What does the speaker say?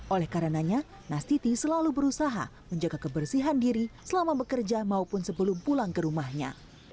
oleh karenanya nastiti selalu berusaha menjaga kebersihan diri selama bekerja maupun sebelum pulang ke rumahnya